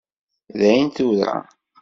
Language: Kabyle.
Dayen tura.